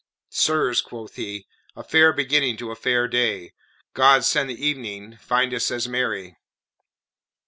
"Sirs," quoth he, "a fair beginning to a fair day. God send the evening find us as merry."